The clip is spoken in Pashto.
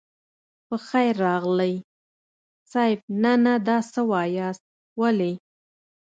په خير راغلئ صيب نه نه دا څه واياست ولې.